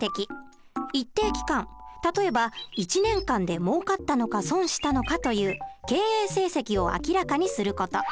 一定期間例えば１年間でもうかったのか損したのかという経営成績を明らかにする事。